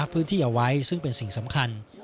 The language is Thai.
พื้นที่เอาไว้ซึ่งเป็นสิ่งสำคัญ